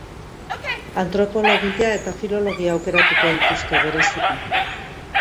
Antropologia eta filologia aukeratuko dituzte bereziki.